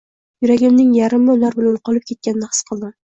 yuragimning yarimi ular bilan qolib ketganini his qildim